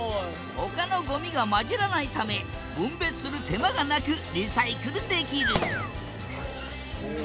他のゴミが交じらないため分別する手間がなくリサイクルできるおお。